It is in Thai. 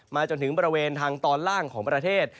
จนถึงบริเวณทางตอนล่างของประเทศ